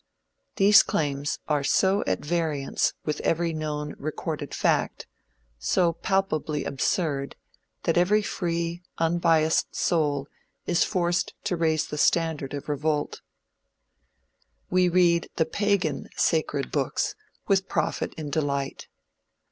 These claims are so at variance with every known recorded fact, so palpably absurd, that every free, unbiased soul is forced to raise the standard of revolt. We read the pagan sacred books with profit and delight.